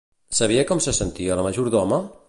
Sabia com se sentia la majordoma?